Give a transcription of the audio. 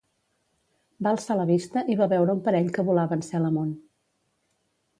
Va alçar la vista i va veure un parell que volaven cel amunt.